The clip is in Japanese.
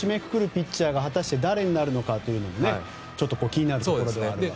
ピッチャーが果たして誰になるのかというのもちょっと気になるところではありますね。